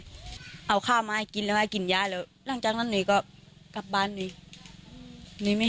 ได้เลยเอาข้าวมากินแล้วกินยาแล้วหลังจากนั้นหนีก็กลับบ้านหนีหนีไม่